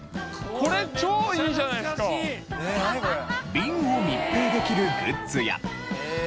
瓶を密閉できるグッズや。